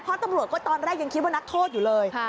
เพราะตำรวจก็ตอนแรกยังคิดว่านักโทษอยู่เลย